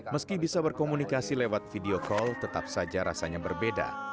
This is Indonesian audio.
meski bisa berkomunikasi lewat video call tetap saja rasanya berbeda